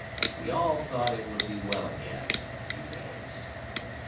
We all thought it would be well again in a few days.